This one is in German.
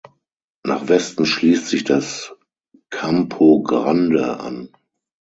Nach Westen schließt sich das "Campo Grande" an.